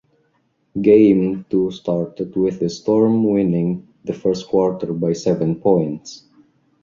Game two started with the Storm winning the first quarter by seven points.